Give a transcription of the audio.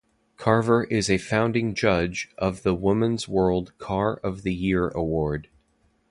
Carver is a founding judge of the Women's World Car of The Year Award.